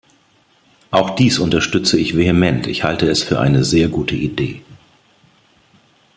Auch dies unterstütze ich vehement ich halte es für eine sehr gute Idee.